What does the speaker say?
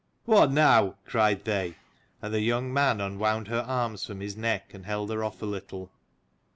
"What now?" cried they, and the young man unwound her arms from his neck, and held her off a little.